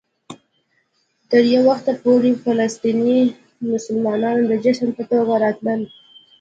تر یو وخته پورې فلسطيني مسلمانانو د جشن په توګه راتلل.